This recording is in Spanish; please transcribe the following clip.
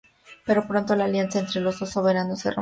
Pero pronto la alianza entre los dos soberanos se rompió.